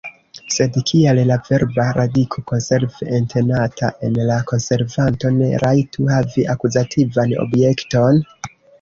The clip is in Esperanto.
Sed kial la verba radiko konserv, entenata en konservanto, ne rajtu havi akuzativan objekton?